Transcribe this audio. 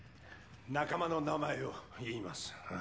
仲間の名前を言います